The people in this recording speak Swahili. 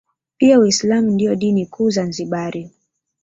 Pia uislamu ndio dini kuu Zanzibari